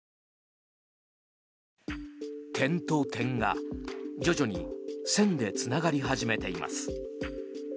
点と点が、徐々に線でつながり始めています。